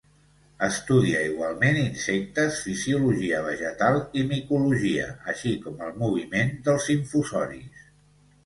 Estudia igualment insectes, fisiologia vegetal i micologia, així com el moviment dels infusoris.